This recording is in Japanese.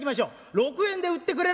「６円で売ってくれる？